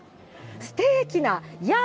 ステーキな、ヤー！